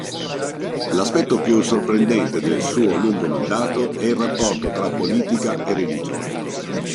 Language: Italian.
L'aspetto più sorprendente del suo lungo mandato è il rapporto tra politica e religione.